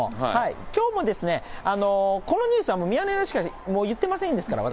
きょうもですね、このニュースはもうミヤネ屋しか言ってませんから、私。